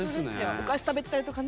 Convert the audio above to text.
お菓子食べてたりとかね。